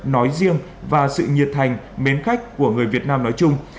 nói riêng và sự nhiệt thành mến khách của người việt nam nói chung